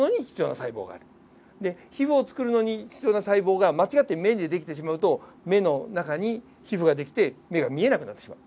で皮膚を作るのに必要な細胞が間違って目に出来てしまうと目の中に皮膚が出来て目が見えなくなってしまう。